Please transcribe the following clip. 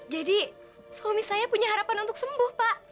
jadi suami saya punya harapan untuk sembuh pak